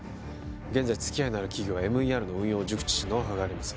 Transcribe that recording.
現在つきあいのある企業はＭＥＲの運用を熟知しノウハウがあります